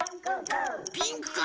ピンクか？